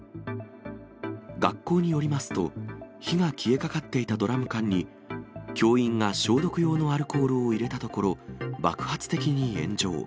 学校によりますと、火が消えかかっていたドラム缶に、教員が消毒用のアルコールを入れたところ、爆発的に炎上。